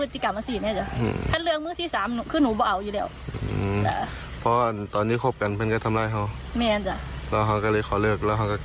เธอก็เลยขอเลิกแล้วก็กลับมาอยู่บ้านเลยตอนเธอมาอยู่นี่เธอมาง้อมาอย่างน้อง